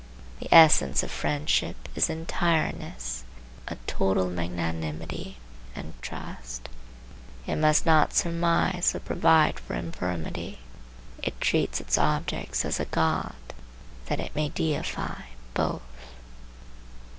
The essence of friendship is entireness, a total magnanimity and trust. It must not surmise or provide for infirmity. It treats its object as a god, that it may deify both.